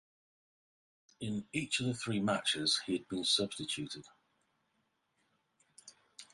In each of the three matches he had been substituted.